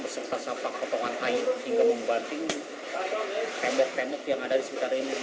beserta sampah potongan air hingga membanting tembok tembok yang ada di sekitar ini